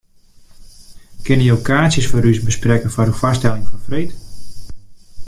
Kinne jo kaartsjes foar ús besprekke foar de foarstelling fan freed?